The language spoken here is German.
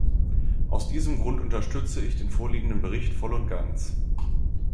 Aus diesem Grund unterstütze ich den vorliegenden Bericht voll und ganz.